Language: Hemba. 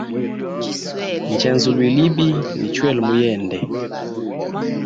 Njenzulwile ibi ni chwele muyende.